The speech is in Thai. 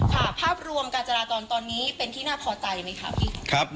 ภาพรวมการจราจรตอนนี้เป็นที่น่าพอใจไหมคะพี่